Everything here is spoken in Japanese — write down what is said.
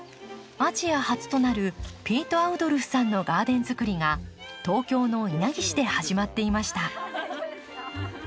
アジア初となるピート・アウドルフさんのガーデンづくりが東京の稲城市で始まっていました。